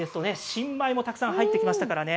新米もたくさん入ってきましたからね